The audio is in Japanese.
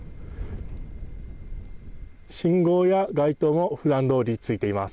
信号や街灯もふだんどおりついています。